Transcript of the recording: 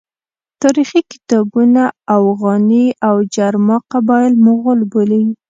تاریخي کتابونه اوغاني او جرما قبایل مغول بولي.